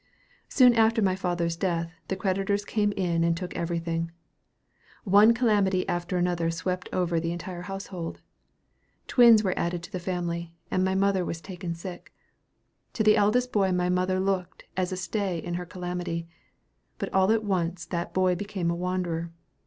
"Soon after my father's death the creditors came in and took everything. One calamity after another swept over the entire household. Twins were added to the family, and my mother was taken sick. To the eldest boy my mother looked as a stay in her calamity; but all at once that boy became a wanderer.